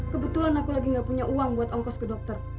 kebetulan aku lagi gak punya uang buat ongkos ke dokter